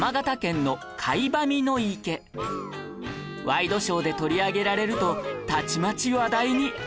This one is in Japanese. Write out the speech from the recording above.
ワイドショーで取り上げられるとたちまち話題に